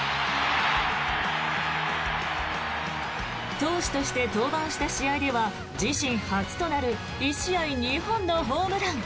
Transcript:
投手として登板した試合では自身初となる１試合２本のホームラン。